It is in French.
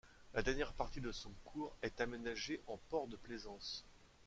La dernière partie de son cours est aménagée en port de plaisance.